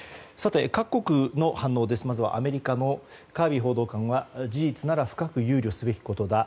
各国の反応ですがアメリカのカービー報道官は事実なら深く憂慮すべきことだ。